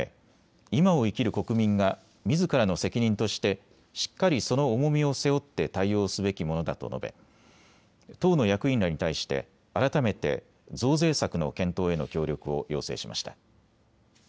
今を生きる国民がみずからの責任としてしっかりその重みを背負って対応すべきものだと述べ、党の役員らに対して改めて増税策の検討への協力を要請しました。